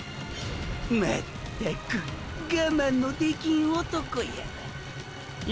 まったくがまんのできん男やわ。